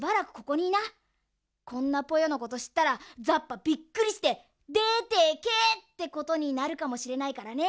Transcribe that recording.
こんなポヨのことしったらザッパびっくりしてでてけってことになるかもしれないからね。